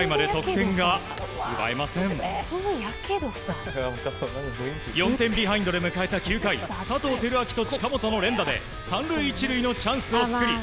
４点ビハインドで迎えた９回佐藤輝明と近本の連打で３塁１塁のチャンスを作り